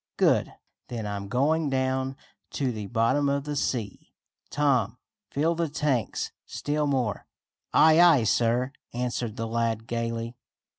"Good! Then I'm going down to the bottom of the sea! Tom, fill the tanks still more. "Aye, aye, sir," answered the lad gaily.